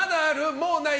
もうない？